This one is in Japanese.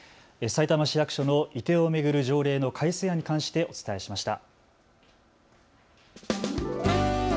さいたま市役所の移転を巡る条例の改正案に関してお伝えしました。